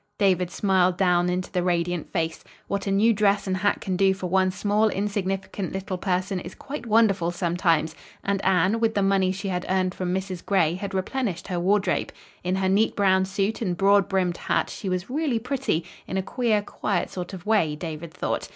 David smiled down into the radiant face. What a new dress and hat can do for one small, insignificant little person is quite wonderful sometimes. And Anne, with the money she had earned from Mrs. Gray, had replenished her wardrobe. In her neat brown suit and broad brimmed hat she was really pretty, in a queer, quiet sort of way, David thought.